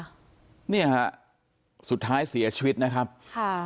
เนี่ยฮะสุดท้ายเสียชีวิตนะครับค่ะ